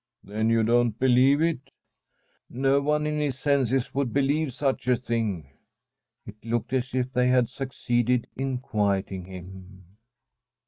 * Then you don't believe it ?'' No one in his senses would believe such a thing.' It looked as if they had succeeded in quiet ing him.